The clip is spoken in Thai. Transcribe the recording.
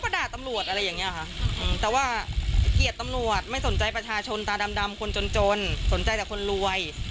เค้าก็ด่าตำรวชมเปล่าอ่ะฮะแต่ว่าเขียนตำรวจไม่สนใจประชาชนตาด่ำไปคนจนสนใจแต่คนรวย